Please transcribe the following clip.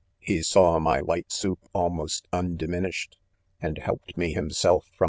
He saw my •light soup almost undiminished, and helped me himself, from .